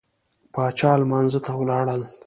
پاچا لمانځه ته ولاړل.